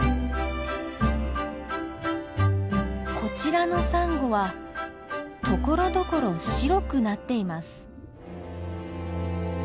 こちらのサンゴはところどころ白くなっています。